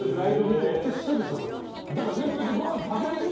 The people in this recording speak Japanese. すぐ下がったんです。